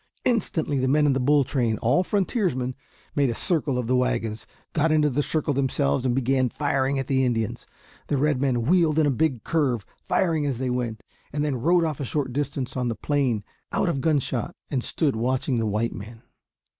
Instantly the men in the bull train all frontiersmen made a circle of the wagons, got into the circle themselves, and began firing at the Indians. The red men wheeled in a big curve, firing as they went, and then rode off a short distance on the plain out of gun shot and stood watching the white men.